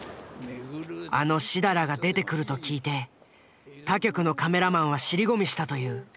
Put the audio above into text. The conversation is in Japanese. あの設楽が出てくると聞いて他局のカメラマンは尻込みしたという。